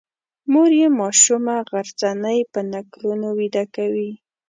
مور یې ماشومه غرڅنۍ په نکلونو ویده کوي.